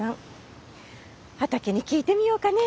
畑に聞いてみようかね。